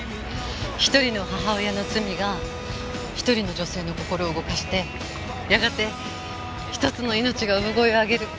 一人の母親の罪が一人の女性の心を動かしてやがて一つの命が産声を上げる。